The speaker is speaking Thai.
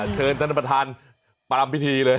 เชิญท่านประธานประรำพิธีเลย